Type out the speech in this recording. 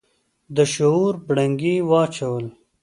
د شور بنګړي واچول